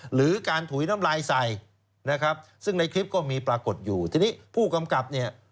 หรือการถุยน้ำลายใส่นะครับซึ่งในคลิปก็มีปรากฏอยู่ทีนี้ผู้กำกับเนี่ย